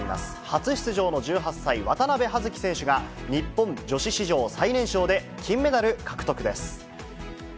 初出場の１８歳、渡部葉月選手が、日本女子史上、最年少で金メダル獲得です。